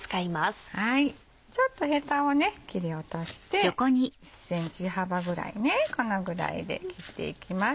ちょっとヘタを切り落として１ｃｍ幅ぐらいこのぐらいで切っていきます。